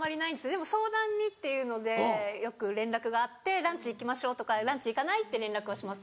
でも相談にっていうのでよく連絡があって「ランチ行きましょう」とか「ランチ行かない？」って連絡はします